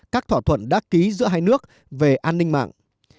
các thỏa thuận đã ký giữa hai nước về an ninh mạng